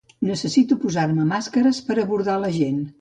Necessito posar-me màscares per abordar la gent.